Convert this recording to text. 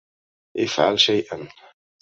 إفعلْ شيئاً